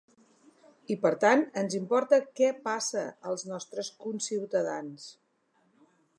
I, per tant, ens importa què passa als nostres conciutadans.